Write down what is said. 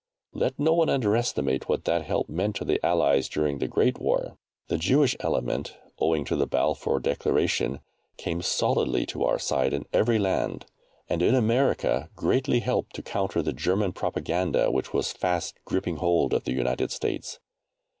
Let no one under estimate what that help meant to the Allies during the Great War. The Jewish element, owing to the Balfour Declaration, came solidly to our side in every land, and in America greatly helped to counter the German propaganda which was fast gripping hold of the United States.